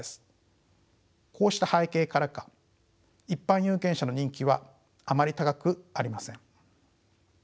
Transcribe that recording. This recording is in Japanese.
こうした背景からか一般有権者の人気はあまり高くありません。